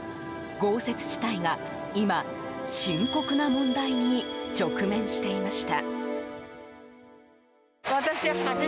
豪雪地帯が今、深刻な問題に直面していました。